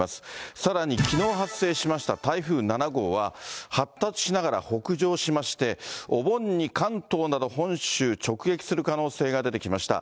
さらにきのう発生しました台風７号は、発達しながら北上しまして、お盆に関東など本州直撃する可能性が出てきました。